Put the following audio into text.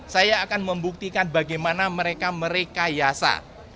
saya akan membuktikan bagaimana mereka merekayasa